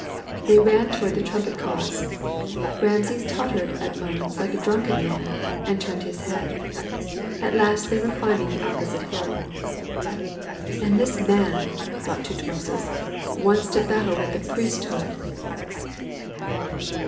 They ran toward the trumpet calls. Rameses tottered at moments like a drunken man, and turned his head. At last they were climbing the opposite hill. "And this man," thought Tutmosis, "wants to battle with the priesthood!"